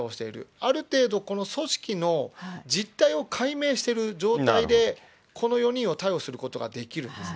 ある程度、この組織の実態を解明してる状態で、この４人を逮捕することができるんですね。